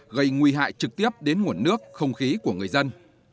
gây nguy hại trực tiếp đến nguồn nước không khí của người dân